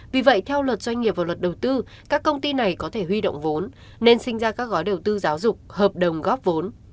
vì vậy theo luật doanh nghiệp và luật đầu tư các công ty này có thể huy động vốn nên sinh ra các gói đầu tư giáo dục hợp đồng góp vốn